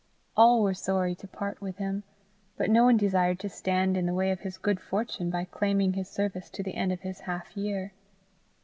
All were sorry to part with him, but no one desired to stand in the way of his good fortune by claiming his service to the end of his half year.